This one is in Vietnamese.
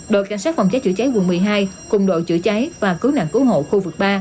đội cảnh sát phòng cháy chữa cháy quận một mươi hai cùng đội chữa cháy và cứu nạn cứu hộ khu vực ba